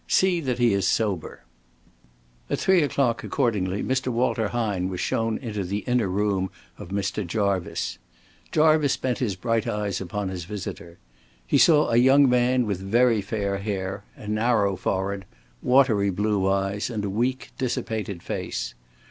See that he is sober." At three o'clock accordingly Mr. Walter Hine was shown into the inner room of Mr. Jarvice. Jarvice bent his bright eyes upon his visitor. He saw a young man with very fair hair, a narrow forehead, watery blue eyes and a weak, dissipated face.